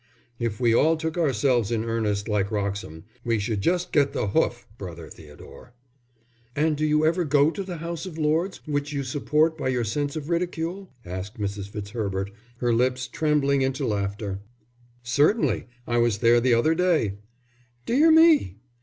If we all took ourselves in earnest like Wroxham, we should just get the hoof, brother Theodore." "And do you ever go to the House of Lords, which you support by your sense of ridicule?" asked Mrs. Fitzherbert, her lips trembling into laughter. "Certainly; I was there the other day." "Dear me!"